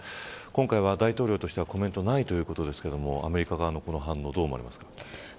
今回は大統領としてはコメントないということですがアメリカの反応をどう思いますか。